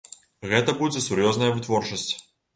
Гэта будзе сур'ёзная вытворчасць.